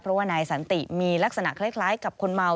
เพราะว่านายสันติมีลักษณะคล้ายกับคนเมา